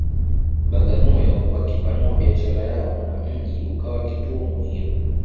Bagamoyo wakipanua biashara yao na mji ukawa kituo muhimu